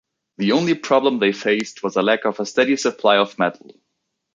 The only problem they faced was a lack of a steady supply of metal.